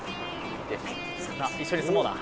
一緒に住もうな。